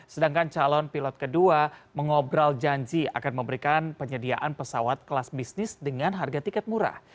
sedangkan calon pilot kedua mengobrol janji akan memberikan penyediaan pesawat kelas bisnis dengan harga tiket murah